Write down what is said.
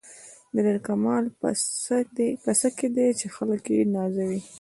د ده کمال په څه کې دی چې خلک یې نازوي.